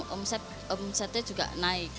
omsetnya juga naik